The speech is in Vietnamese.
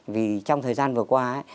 vì trong thời gian vừa qua